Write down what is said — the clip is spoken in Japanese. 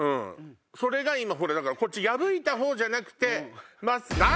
それが今こっち破いた方じゃなくて。